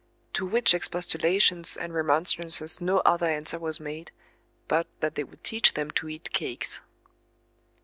To which expostulations and remonstrances no other answer was made, but that they would teach them to eat cakes.